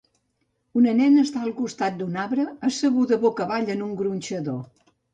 Una nena està al costat d'un arbre asseguda boca avall en un gronxador.